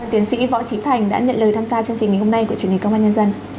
tiến sĩ võ trí thành đã nhận lời tham gia chương trình ngày hôm nay của truyền hình công an nhân dân